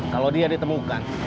kalau dia ditemukan